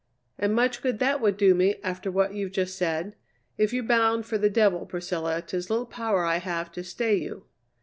"And much good that would do me, after what you've just said. If you're bound for the devil, Priscilla, 'tis little power I have to stay you."